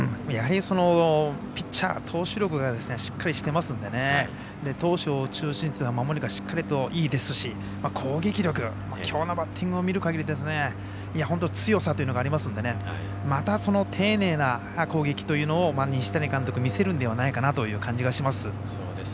やはり、ピッチャー投手力がしっかりしていますので投手を中心守りがしっかりといいですし攻撃力、きょうのバッティングを見るかぎり強さというのがありますのでまた丁寧な攻撃というのを西谷監督見せるのではないかなという感じがします。